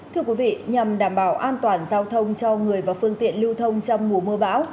thưa quý vị nhằm đảm bảo an toàn giao thông cho người và phương tiện lưu thông trong mùa mưa bão